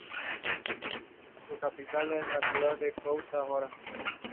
Casos similares ocurrieron en Taiwán, Filipinas e Indonesia.